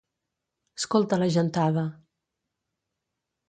Escolta la gentada.